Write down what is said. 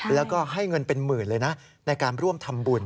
แล้วก็ให้เงินเป็นหมื่นเลยนะในการร่วมทำบุญ